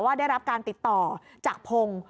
ว่าได้รับการติดต่อจากพง